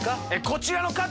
こちらの方。